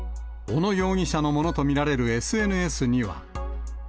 小野容疑者のものとみられるＳＮＳには。